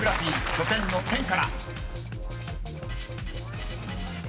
「拠点」の「点」から］